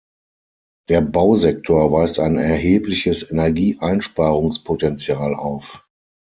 Der Bausektor weist ein erhebliches Energieeinsparungspotenzial auf.